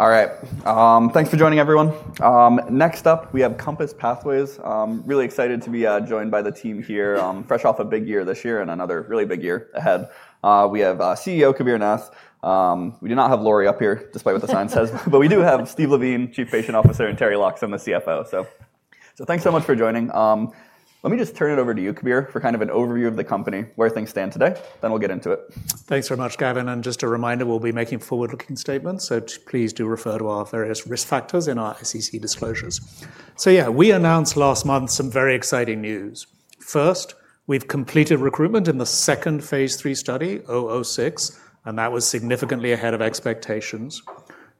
All right. Thanks for joining, everyone. Next up, we have COMPASS Pathways. Really excited to be joined by the team here. Fresh off a big year this-year and another really big year ahead. We have CEO Kabir Nath. We do not have Lori up here, despite what the sign says. But we do have Steve Levine, Chief Patient Officer, and Teri Loxham, the CFO. Thanks so much for joining. Let me just turn it over to you, Kabir, for kind of an overview of the company, where things stand today. Then we'll get into it. Thanks very much, Gavin. Just a reminder, we'll be making forward-looking statements. Please do refer to our various risk factors in our SEC disclosures. We announced last month some very exciting news. First, we've completed recruitment in the second phase 3 study, 006, and that was significantly ahead of expectations.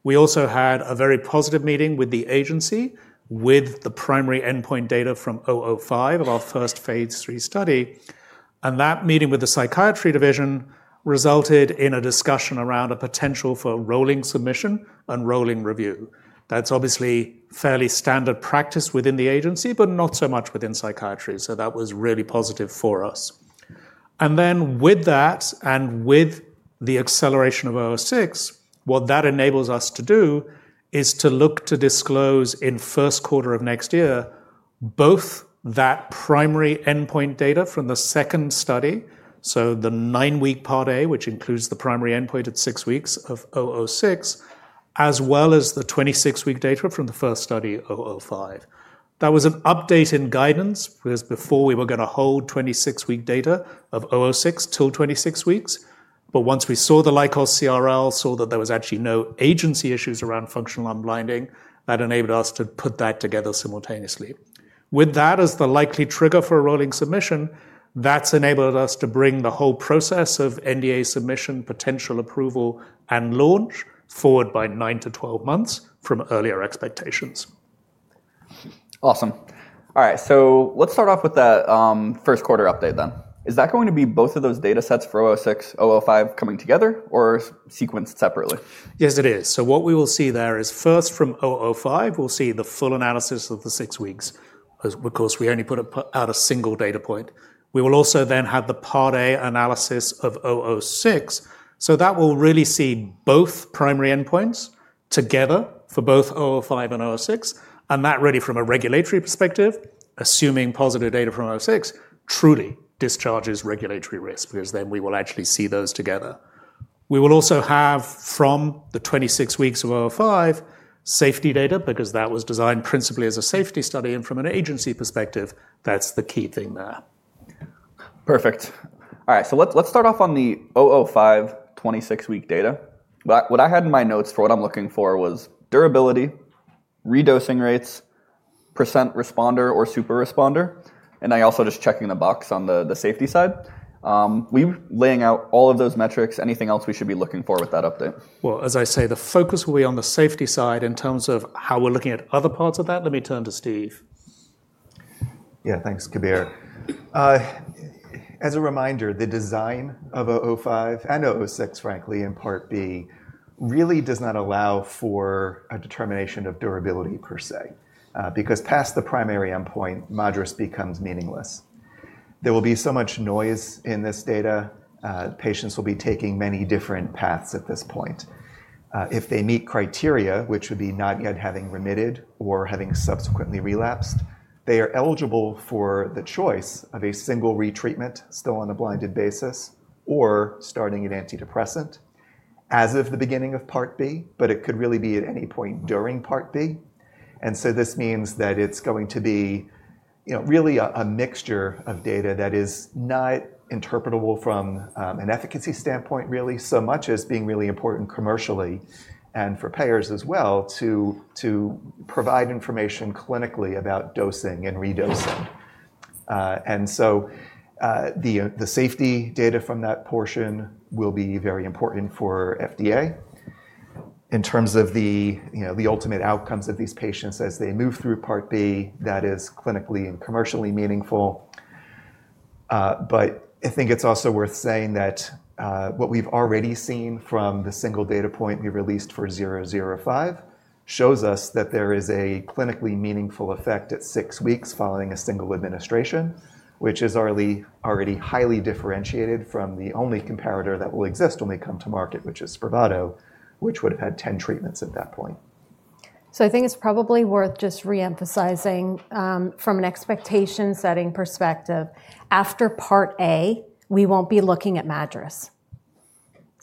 We also had a very positive meeting with the agency with the primary endpoint data from 005 of our first phase 3 study. That meeting with the psychiatry division resulted in a discussion around a potential for rolling submission and rolling review. That's obviously fairly standard practice within the agency, but not so much within psychiatry. That was really positive for us. With that and with the acceleration of 006, what that enables us to do is to look to disclose in first quarter of next year both that primary endpoint data from the second study, so the nine-week Part A, which includes the primary endpoint at six weeks of 006, as well as the 26-week data from the first study, 005. That was an update in guidance because before we were going to hold 26-week data of 006 till 26 weeks. Once we saw the LICOS CRL, saw that there was actually no agency issues around functional unblinding, that enabled us to put that together simultaneously. With that as the likely trigger for a rolling submission, that's enabled us to bring the whole process of NDA submission, potential approval, and launch forward by 9 to 12 months from earlier expectations. Awesome. All right. Let's start off with that first quarter update then. Is that going to be both of those data sets for 006, 005 coming together or sequenced separately? Yes, it is. What we will see there is first from 005, we'll see the full analysis of the six weeks. Of course, we only put out a single data point. We will also then have the Part A analysis of 006. That will really see both primary endpoints together for both 005 and 006. That really, from a regulatory perspective, assuming positive data from 006, truly discharges regulatory risk because then we will actually see those together. We will also have from the 26 weeks of 005 safety data because that was designed principally as a safety study. From an agency perspective, that's the key thing there. Perfect. All right. Let's start off on the 005 26-week data. What I had in my notes for what I'm looking for was durability, redosing rates, % responder or super responder. I also just checking the box on the safety side. We laying out all of those metrics, anything else we should be looking for with that update? As I say, the focus will be on the safety side in terms of how we're looking at other parts of that. Let me turn to Steve. Yeah, thanks, Kabir. As a reminder, the design of 005 and 006, frankly, in Part B really does not allow for a determination of durability per se because past the primary endpoint, moderacy becomes meaningless. There will be so much noise in this data. Patients will be taking many different paths at this point. If they meet criteria, which would be not yet having remitted or having subsequently relapsed, they are eligible for the choice of a single retreatment still on a blinded basis or starting an antidepressant as of the beginning of Part B, but it could really be at any point during Part B. This means that it's going to be really a mixture of data that is not interpretable from an efficacy standpoint, really, so much as being really important commercially and for payers as well to provide information clinically about dosing and redosing. The safety data from that portion will be very important for FDA in terms of the ultimate outcomes of these patients as they move through Part B. That is clinically and commercially meaningful. I think it's also worth saying that what we've already seen from the single data point we released for 005 shows us that there is a clinically meaningful effect at six weeks following a single administration, which is already highly differentiated from the only comparator that will exist when they come to market, which is Spravato, which would have had 10 treatments at that point. I think it's probably worth just reemphasizing from an expectation-setting perspective, after Part A, we won't be looking at MADRS.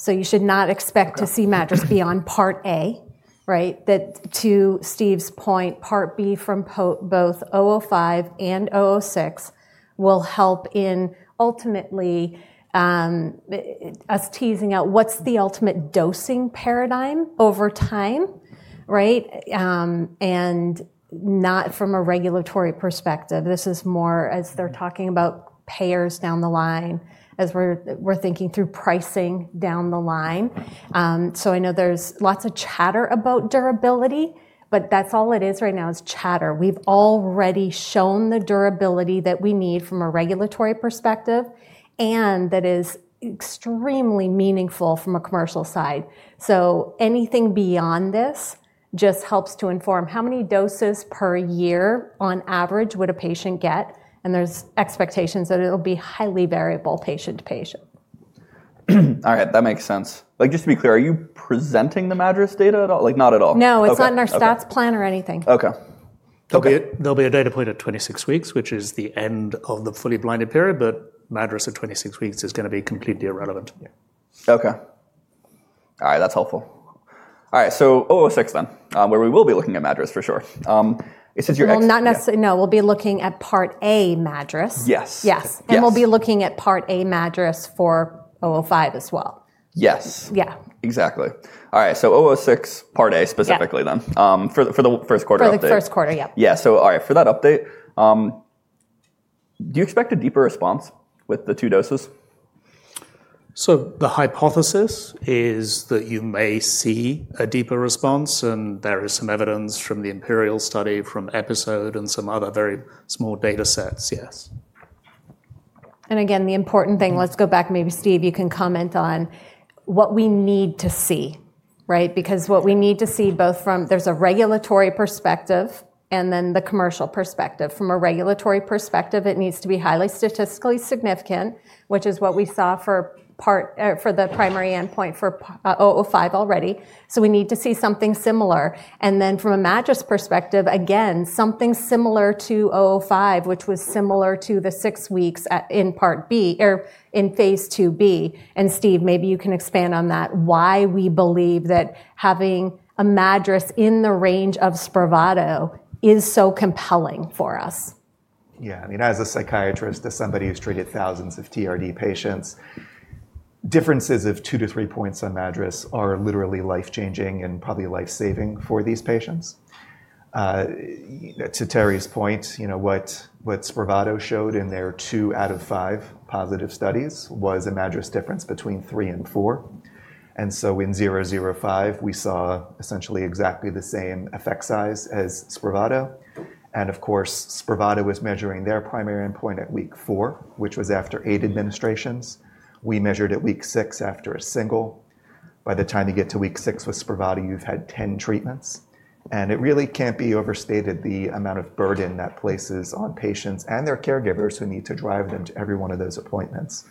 You should not expect to see MADRS beyond Part A. Right? To Steve's point, Part B from both 005 and 006 will help in ultimately us teasing out what's the ultimate dosing paradigm over time, right, and not from a regulatory perspective. This is more as they're talking about payers down the line as we're thinking through pricing down the line. I know there's lots of chatter about durability, but that's all it is right now is chatter. We've already shown the durability that we need from a regulatory perspective and that is extremely meaningful from a commercial side. Anything beyond this just helps to inform how many doses per year on average would a patient get. There are expectations that it'll be highly variable patient to patient. All right. That makes sense. Just to be clear, are you presenting the MADRS data at all? Not at all? No, it's not in our stats plan or anything. Okay. There'll be a data point at 26 weeks, which is the end of the fully blinded period, but MADRS at 26 weeks is going to be completely irrelevant. Okay. All right. That's helpful. All right. 006 then, where we will be looking at MADRS for sure. Not necessarily. No, we'll be looking at Part A MADRS. Yes. Yes. We will be looking at Part A MADRS for COMP005 as well. Yes. Yeah. Exactly. All right. 006, Part A specifically then for the first quarter. For the first quarter, yep. Yeah. All right. For that update, do you expect a deeper response with the two doses? The hypothesis is that you may see a deeper response, and there is some evidence from the Imperial College London study, from EPIsoDE, and some other very small data sets, yes. Again, the important thing, let's go back. Maybe Steve, you can comment on what we need to see, right, because what we need to see both from there's a regulatory perspective and then the commercial perspective. From a regulatory perspective, it needs to be highly statistically significant, which is what we saw for the primary endpoint for 005 already. We need to see something similar. From a MADRS perspective, again, something similar to 005, which was similar to the six weeks in Part B or in phase 2b. Steve, maybe you can expand on that, why we believe that having a MADRS in the range of Spravato is so compelling for us. Yeah. I mean, as a psychiatrist, as somebody who's treated thousands of TRD patients, differences of two to three points on MADRS are literally life-changing and probably life-saving for these patients. To Teri's point, what Spravato showed in their two out of five positive studies was a MADRS difference between three and four. In 005, we saw essentially exactly the same effect size as Spravato. Spravato was measuring their primary endpoint at week four, which was after eight administrations. We measured at week six after a single. By the time you get to week six with Spravato, you've had 10 treatments. It really can't be overstated the amount of burden that places on patients and their caregivers who need to drive them to every one of those appointments.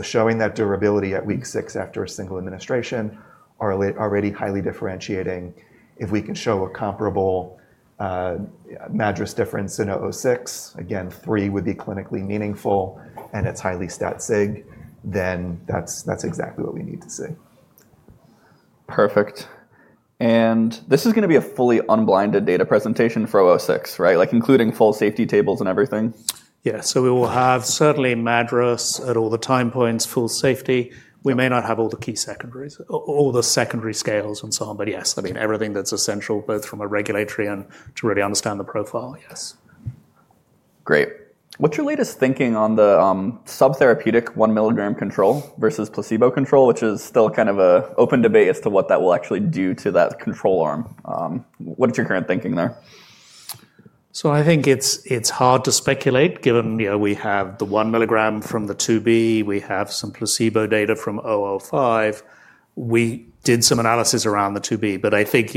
Showing that durability at week six after a single administration are already highly differentiating. If we can show a comparable MADRS difference in 006, again, three would be clinically meaningful, and it's highly stat-sig, then that's exactly what we need to see. Perfect. This is going to be a fully unblinded data presentation for 006, right, including full safety tables and everything? Yeah. We will have certainly MADRS at all the time points, full safety. We may not have all the key secondaries, all the secondary scales and so on, but yes, I mean, everything that's essential both from a regulatory and to really understand the profile, yes. Great. What's your latest thinking on the subtherapeutic 1 milligram control versus placebo control, which is still kind of an open debate as to what that will actually do to that control arm? What's your current thinking there? I think it's hard to speculate given we have the 1 milligram from the phase 2b, we have some placebo data from COMP005. We did some analysis around the phase 2b, but I think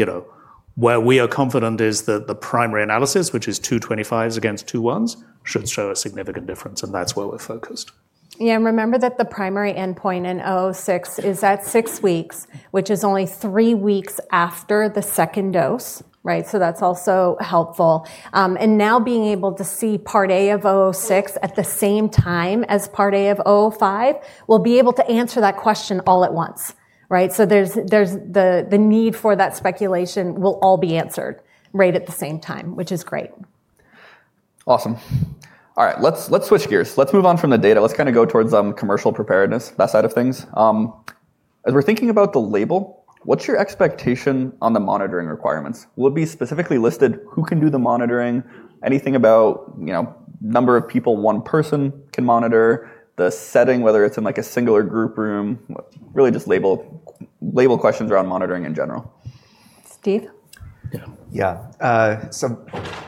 where we are confident is that the primary analysis, which is two 25s against two 1s, should show a significant difference, and that's where we're focused. Yeah. Remember that the primary endpoint in 006 is at six weeks, which is only three weeks after the second dose, right? That is also helpful. Now being able to see Part A of 006 at the same time as Part A of 005, we will be able to answer that question all at once, right? The need for that speculation will all be answered at the same time, which is great. Awesome. All right. Let's switch gears. Let's move on from the data. Let's kind of go towards commercial preparedness, that side of things. As we're thinking about the label, what's your expectation on the monitoring requirements? Will it be specifically listed who can do the monitoring, anything about number of people one person can monitor, the setting, whether it's in a singular group room, really just label questions around monitoring in general? Steve? Yeah.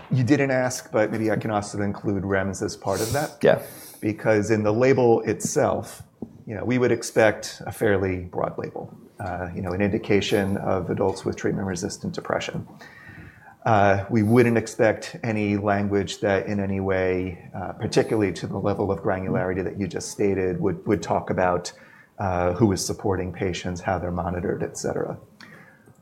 You did not ask, but maybe I can also include REMS as part of that. Yeah. Because in the label itself, we would expect a fairly broad label, an indication of adults with treatment-resistant depression. We would not expect any language that in any way, particularly to the level of granularity that you just stated, would talk about who is supporting patients, how they are monitored, et cetera.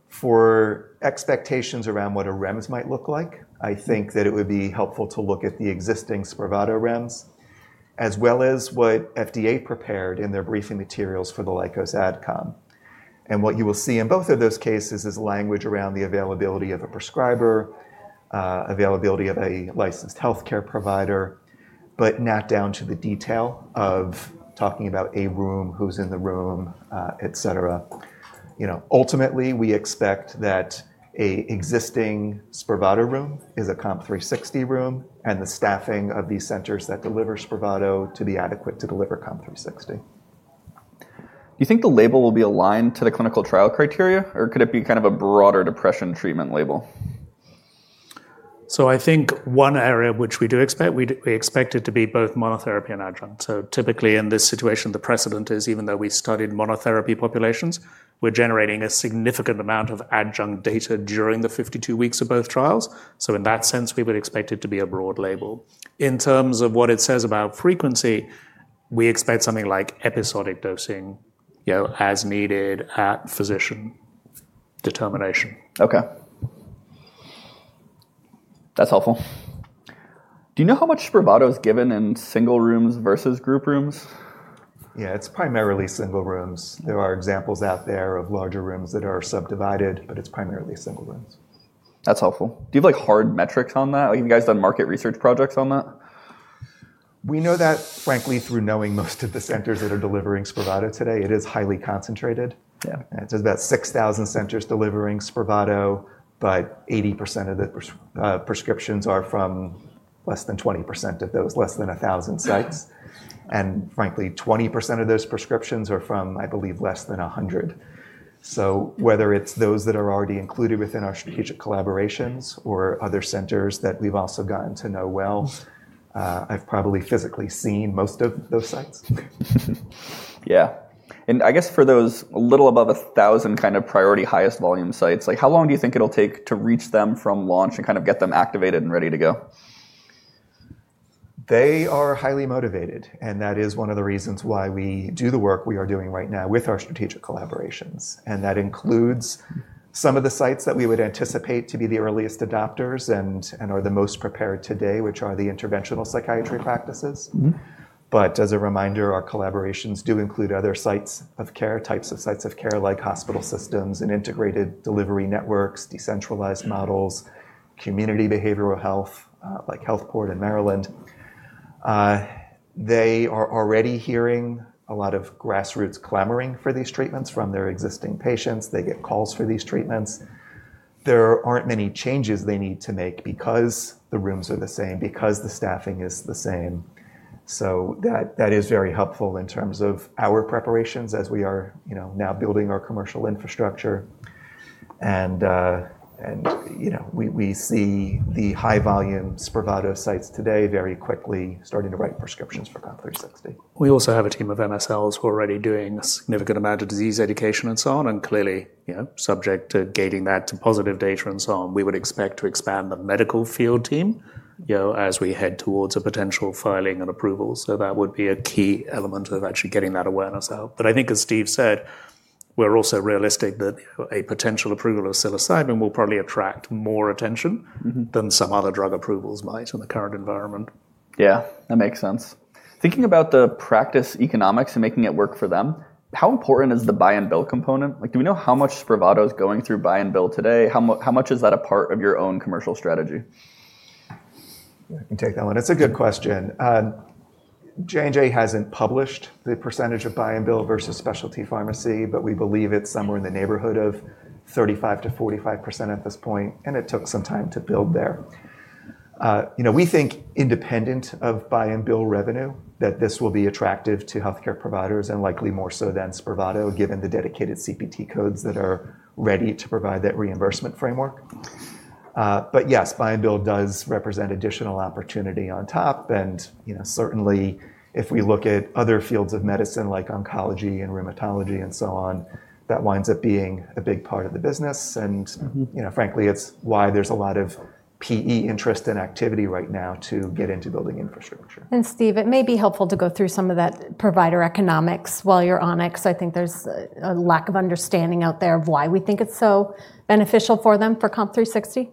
For expectations around what a REMS might look like, I think that it would be helpful to look at the existing Spravato REMS as well as what FDA prepared in their briefing materials for the LICOS Adcom. What you will see in both of those cases is language around the availability of a prescriber, availability of a licensed healthcare provider, but not down to the detail of talking about a room, who is in the room, et cetera. Ultimately, we expect that an existing Spravato room is a COMP360 room and the staffing of these centers that deliver Spravato to be adequate to deliver COMP360. Do you think the label will be aligned to the clinical trial criteria, or could it be kind of a broader depression treatment label? I think one area which we do expect, we expect it to be both monotherapy and adjunct. Typically in this situation, the precedent is even though we studied monotherapy populations, we're generating a significant amount of adjunct data during the 52 weeks of both trials. In that sense, we would expect it to be a broad label. In terms of what it says about frequency, we expect something like episodic dosing as needed at physician determination. Okay. That's helpful. Do you know how much Spravato is given in single rooms versus group rooms? Yeah, it's primarily single rooms. There are examples out there of larger rooms that are subdivided, but it's primarily single rooms. That's helpful. Do you have hard metrics on that? Have you guys done market research projects on that? We know that, frankly, through knowing most of the centers that are delivering Spravato today, it is highly concentrated. It is about 6,000 centers delivering Spravato, but 80% of the prescriptions are from less than 20% of those less than 1,000 sites. Frankly, 20% of those prescriptions are from, I believe, less than 100. Whether it is those that are already included within our strategic collaborations or other centers that we have also gotten to know well, I have probably physically seen most of those sites. Yeah. I guess for those a little above 1,000 kind of priority highest volume sites, how long do you think it'll take to reach them from launch and kind of get them activated and ready to go? They are highly motivated, and that is one of the reasons why we do the work we are doing right now with our strategic collaborations. That includes some of the sites that we would anticipate to be the earliest adopters and are the most prepared today, which are the interventional psychiatry practices. As a reminder, our collaborations do include other sites of care, types of sites of care like hospital systems and integrated delivery networks, decentralized models, community behavioral health like HealthPort in Maryland. They are already hearing a lot of grassroots clamoring for these treatments from their existing patients. They get calls for these treatments. There are not many changes they need to make because the rooms are the same, because the staffing is the same. That is very helpful in terms of our preparations as we are now building our commercial infrastructure. We see the high-volume Spravato sites today very quickly starting to write prescriptions for COMP360. We also have a team of MSLs who are already doing a significant amount of disease education and so on, and clearly subject to gating that to positive data and so on. We would expect to expand the medical field team as we head towards a potential filing and approval. That would be a key element of actually getting that awareness out. I think, as Steve said, we're also realistic that a potential approval of psilocybin will probably attract more attention than some other drug approvals might in the current environment. Yeah. That makes sense. Thinking about the practice economics and making it work for them, how important is the buy-and-bill component? Do we know how much Spravato is going through buy-and-bill today? How much is that a part of your own commercial strategy? I can take that one. It's a good question. J&J hasn't published the percentage of buy-and-bill versus specialty pharmacy, but we believe it's somewhere in the neighborhood of 35%-45% at this point, and it took some time to build there. We think independent of buy-and-bill revenue that this will be attractive to healthcare providers and likely more so than Spravato given the dedicated CPT codes that are ready to provide that reimbursement framework. Yes, buy-and-bill does represent additional opportunity on top. Certainly, if we look at other fields of medicine like oncology and rheumatology and so on, that winds up being a big part of the business. Frankly, it's why there's a lot of PE interest and activity right now to get into building infrastructure. Steve, it may be helpful to go through some of that provider economics while you're on it because I think there's a lack of understanding out there of why we think it's so beneficial for them for COMP360. Yeah.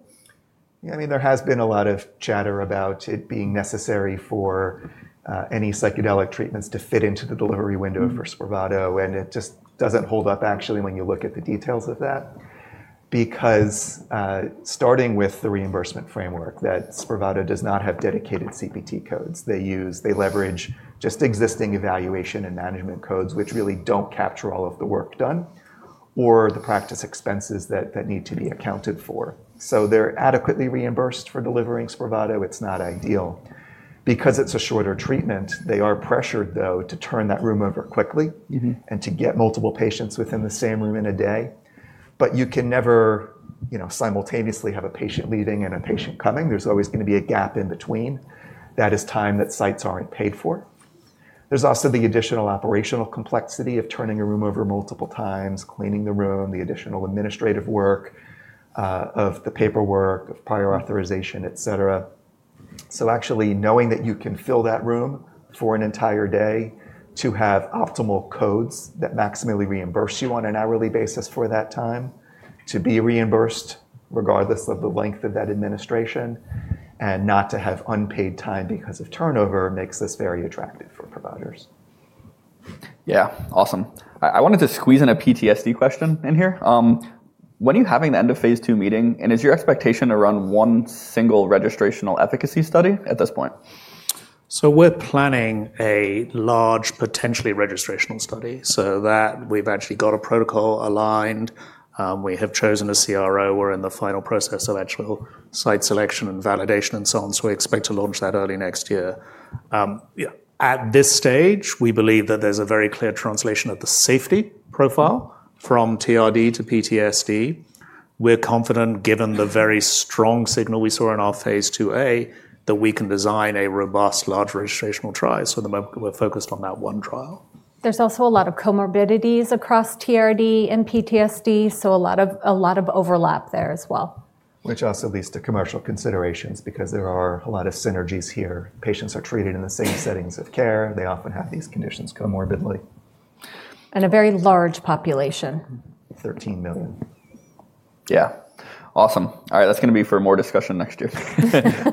I mean, there has been a lot of chatter about it being necessary for any psychedelic treatments to fit into the delivery window for Spravato, and it just doesn't hold up actually when you look at the details of that because starting with the reimbursement framework that Spravato does not have dedicated CPT codes. They leverage just existing evaluation and management codes, which really don't capture all of the work done or the practice expenses that need to be accounted for. So they're adequately reimbursed for delivering Spravato. It's not ideal because it's a shorter treatment. They are pressured, though, to turn that room over quickly and to get multiple patients within the same room in a day. You can never simultaneously have a patient leaving and a patient coming. There's always going to be a gap in between. That is time that sites aren't paid for. is also the additional operational complexity of turning a room over multiple times, cleaning the room, the additional administrative work of the paperwork, of prior authorization, et cetera. Actually knowing that you can fill that room for an entire day to have optimal codes that maximally reimburse you on an hourly basis for that time to be reimbursed regardless of the length of that administration and not to have unpaid time because of turnover makes this very attractive for providers. Yeah. Awesome. I wanted to squeeze in a PTSD question in here. When are you having the end of phase two meeting, and is your expectation to run one single registrational efficacy study at this point? We're planning a large potentially registrational study so that we've actually got a protocol aligned. We have chosen a CRO. We're in the final process of actual site selection and validation and so on. We expect to launch that early next year. At this stage, we believe that there's a very clear translation of the safety profile from TRD to PTSD. We're confident given the very strong signal we saw in our phase 2a that we can design a robust large registrational trial. At the moment, we're focused on that one trial. There's also a lot of comorbidities across TRD and PTSD, so a lot of overlap there as well. Which also leads to commercial considerations because there are a lot of synergies here. Patients are treated in the same settings of care. They often have these conditions comorbidly. A very large population. 13 million. Yeah. Awesome. All right. That is going to be for more discussion next year.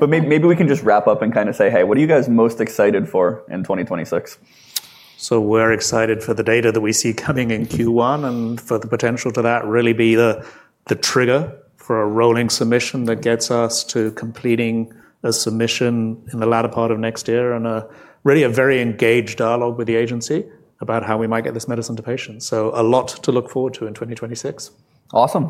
Maybe we can just wrap up and kind of say, "Hey, what are you guys most excited for in 2026? We're excited for the data that we see coming in Q1 and for the potential for that to really be the trigger for a rolling submission that gets us to completing a submission in the latter part of next year and really a very engaged dialogue with the agency about how we might get this medicine to patients. A lot to look forward to in 2026. Awesome.